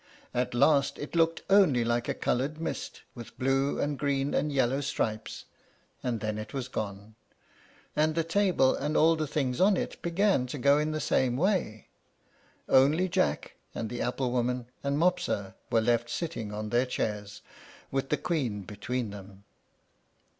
At last, it looked only like a colored mist, with blue, and green, and yellow stripes, and then it was gone; and the table and all the things on it began to go in the same way. Only Jack, and the apple woman, and Mopsa were left, sitting on their chairs, with the Queen between them.